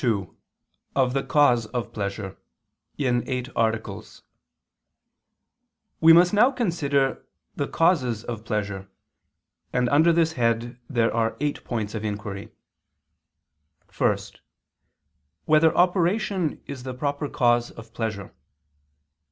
________________________ QUESTION 32 OF THE CAUSE OF PLEASURE (In Eight Articles) We must now consider the causes of pleasure: and under this head there are eight points of inquiry: (1) Whether operation is the proper cause of pleasure?